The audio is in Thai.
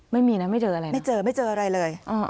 ไม่มีนะไม่เจอไม่เจออะไรเลย